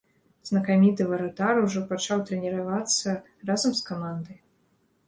Знакаміты варатар ужо пачаў трэніравацца разам з камандай.